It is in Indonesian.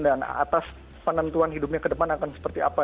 dan atas penentuan hidupnya ke depan akan seperti apa